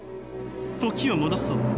時を戻そう。